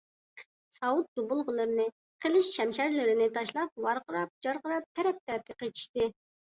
ساۋۇت - دۇبۇلغىلىرىنى، قىلىچ - شەمشەرلىرىنى تاشلاپ، ۋارقىراپ - جارقىراپ تەرەپ - تەرەپكە قېچىشتى.